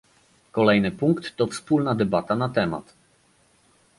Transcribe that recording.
Kolejny punkt to wspólna debata na temat